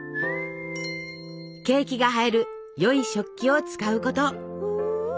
ケーキが映えるよい食器を使うこと。